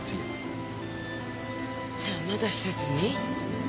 じゃあまだ施設に？